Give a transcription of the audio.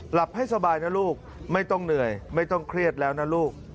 หลับให้สบายนะลูกไม่ต้องเหนื่อยไม่ต้องเครียดแล้วนะลูก